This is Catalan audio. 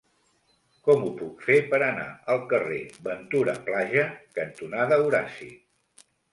Com ho puc fer per anar al carrer Ventura Plaja cantonada Horaci?